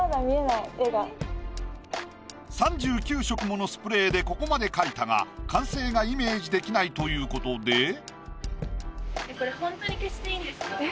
３９色ものスプレーでここまで描いたが完成がイメージできないということで。